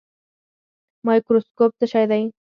مایکروسکوپ څه شی دی؟